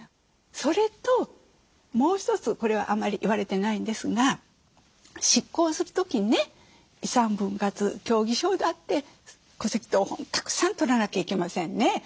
それともう一つこれはあんまり言われてないんですが執行する時にね遺産分割協議書だって戸籍謄本たくさん取らなきゃいけませんね。